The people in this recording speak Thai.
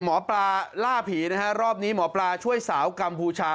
หมอปลาล่าผีนะฮะรอบนี้หมอปลาช่วยสาวกัมพูชา